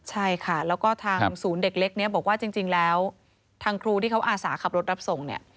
ใช่ค่ะแล้วก็ทางศูนย์เด็กเล็กนี้บอกว่าจริงแล้วทางครูที่เขาอาสาขับรถรับส่งเนี่ย